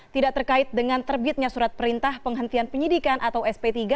tidak terkait dengan terbitnya surat perintah penghentian penyidikan atau sp tiga